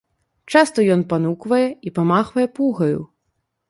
Часта ён пануквае і памахвае пугаю.